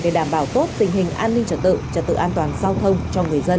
để đảm bảo tốt tình hình an ninh trật tự trật tự an toàn giao thông cho người dân